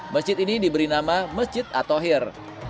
masjid ini diberi nama masjid at tohir